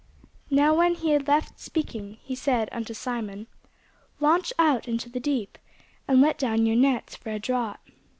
Now when he had left speaking, he said unto Simon, Launch out into the deep, and let down your nets for a draught.